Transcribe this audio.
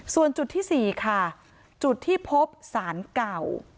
ส่วนจุดที่๔ค่ะจุดที่พบสารเก่า